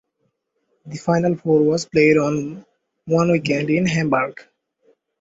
The final four was played on one weekend in Hamburg.